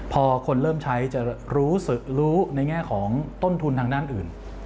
พอคนเริ่มใช้จะรู้ในแง่ของต้นทุนทางด้านอื่น